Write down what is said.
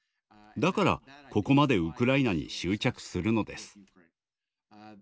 だからここまでウクライナに執着するのです。